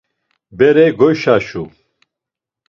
Bere goyşaşu!